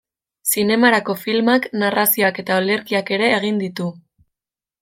Zinemarako filmak, narrazioak eta olerkiak ere egin ditu.